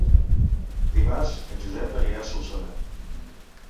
Dimarts en Josep anirà a Solsona.